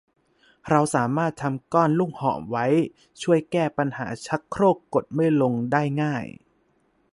เราสามารถทำก้อนลูกหอมไว้ช่วยแก้ปัญหาชักโครกกดไม่ลงได้ง่าย